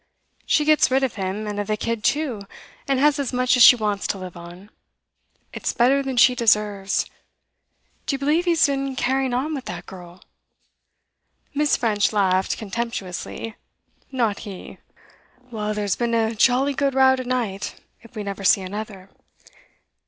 She gets rid of him, and of the kid too, and has as much as she wants to live on. It's better than she deserves. Do you believe he's been carrying on with that girl?' Miss. French laughed contemptuously. 'Not he!' 'Well, there's been a jolly good row to night, if we never see another.